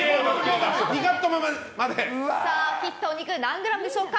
切ったお肉何グラムでしょうか。